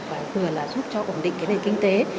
và vừa là giúp cho ổn định cái nền kinh tế